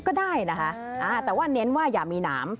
ก็ได้นะคะแต่ว่าเน้นว่าอย่ามีหนาม